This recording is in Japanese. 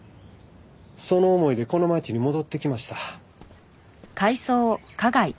その思いでこの街に戻ってきました。